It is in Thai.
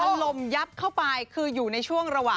ลมยับเข้าไปคืออยู่ในช่วงระหว่าง